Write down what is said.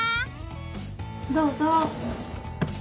どうぞ。